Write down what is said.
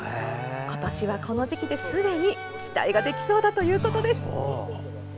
今年は、この時期ですでに期待ができそうだということです。